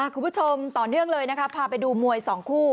คุณผู้ชมต่อเนื่องเลยนะครับพาไปดูมวย๒คู่